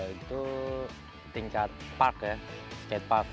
itu tingkat park ya skatepark